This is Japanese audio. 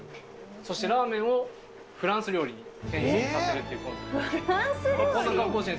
そしてラーメンをフランス料理に変身させるっていうコンセプトで。